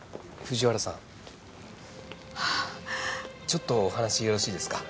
ちょっとお話よろしいですか？